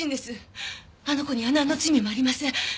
あの子にはなんの罪もありません。